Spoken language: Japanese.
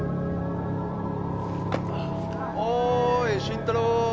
おーい慎太郎